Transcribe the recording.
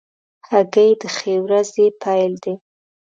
هګۍ د ښې ورځې پیل دی.